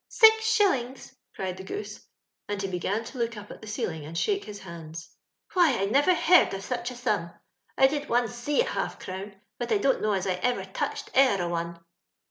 six shillings?" cried the Goose— six shillings !" and he began to look up at the ceiling, and shake his hands. Why, I never heard of sich a sum. I did once see a half crown ; but I don't know as I ever touched e'er a one."